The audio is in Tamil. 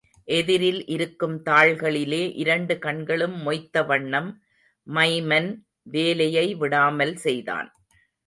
எதிரில் இருக்கும் தாள்களிலே இரண்டு கண்களும் மொய்த்த வண்ணம், மைமன் வேலையை விடாமல் செய்தான்.